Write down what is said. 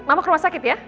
mama ke rumah sakit ya